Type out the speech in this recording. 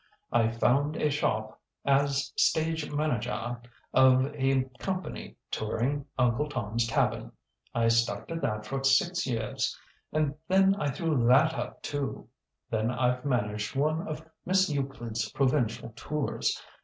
I found a shop as stage manajah of a company touring 'Uncle Tom's Cabin.' I stuck to that for six years, and then I threw that up too. Then I've managed one of Miss Euclid's provincial tours.